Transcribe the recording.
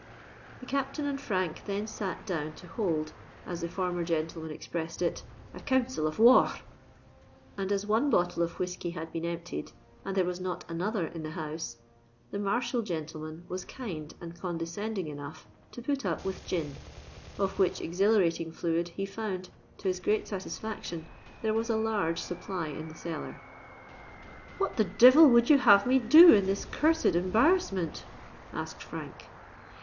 The Captain and Frank then sat down to hold, as the former gentleman expressed it, "a council of war r r;" and as one bottle of whiskey had been emptied, and there was not another in the house, the martial gentleman was kind and condescending enough to put up with gin, of which exhilirating fluid he found, to his great satisfaction, there was a large supply in the cellar. "What the devil would you have me do in this cursed embarrassment?" asked Frank.